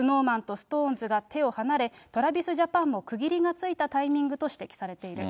ＳｎｏｗＭａｎとＳｉｘＴＯＮＥＳが手を離れ、ＴｒａｖｉｓＪａｐａｎも区切りがついたタイミングと指摘されている。